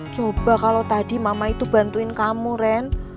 coba kalau tadi mama itu bantuin kamu ren